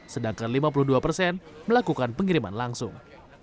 sedangkan lima puluh dua persen melakukan pengiriman langsung